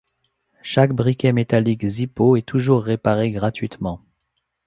Chaque briquet métallique Zippo est toujours réparé gratuitement.